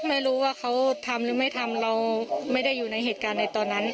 ไม่รู้ว่าเขาทำหรือไม่ทำเราไม่ได้อยู่ในเหตุการณ์ในตอนนั้น